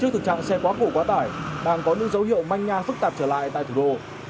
trước thực trạng xe quá khổ quá tải đang có những dấu hiệu manh nha phức tạp trở lại tại thủ đô